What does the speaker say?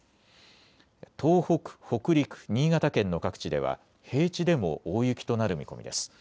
東北、北陸、新潟県の各地では平地でも大雪となる見込みです。